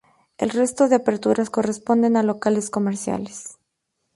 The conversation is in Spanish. El resto de aperturas corresponden a locales comerciales.